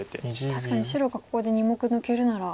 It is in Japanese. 確かに白がここで２目抜けるなら。